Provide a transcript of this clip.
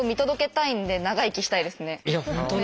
いや本当ね。